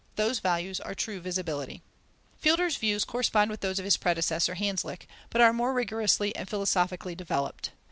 Those values are true visibility. Fiedler's views correspond with those of his predecessor, Hanslick, but are more rigorously and philosophically developed.